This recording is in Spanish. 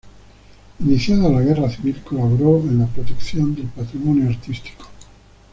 Iniciada la Guerra Civil colaboró en la protección del patrimonio artístico.